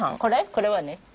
これはね